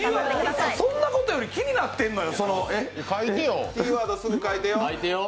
そんなことより気になってんのよ。